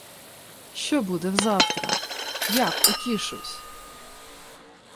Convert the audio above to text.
— Що буде взавтра? Як утішусь?